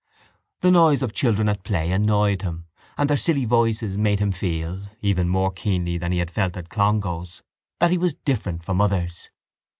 The noise of children at play annoyed him and their silly voices made him feel, even more keenly than he had felt at Clongowes, that he was different from others.